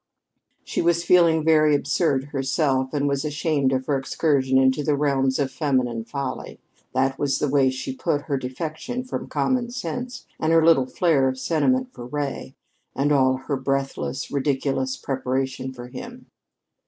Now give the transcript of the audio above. She was feeling very absurd herself, and she was ashamed of her excursion into the realms of feminine folly. That was the way she put her defection from "common sense," and her little flare of sentiment for Ray, and all her breathless, ridiculous preparation for him.